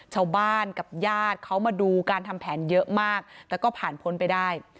ชาวบ้านกับญาติเขามาดูการทำแผนเยอะมากแต่ก็ผ่านพ้นไปได้